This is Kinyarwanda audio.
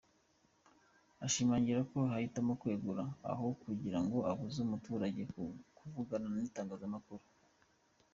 Ashimangira ko yahitamo kwegura aho kugira ngo abuze umuturage kuvugana n’ itangazamakuru.